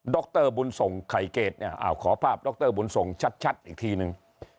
ดรบุญสงศ์ไข่เกรดขอภาพดรบุญสงศ์ชัดอีกทีหนึ่ง